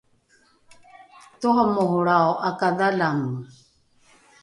toramorolrao ’akadhalame